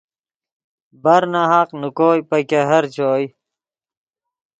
برناحق نے کوئے پے ګہر چوئے